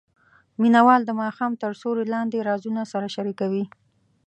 مینه وال د ماښام تر سیوري لاندې رازونه سره شریکوي.